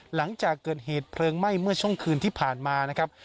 หลังจากเกิดเหตุเพลิงไหม้เมื่อช่วงคืนที่ผ่านมานะครับ